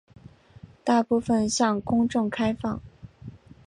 大部分向公众开放。